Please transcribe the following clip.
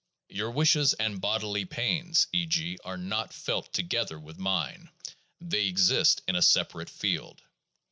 Your wishes and bodily pains, e. g., are not felt together with mine; they exist in a separate field.